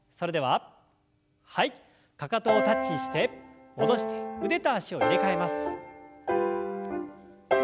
かかとをタッチして戻して腕と脚を入れ替えます。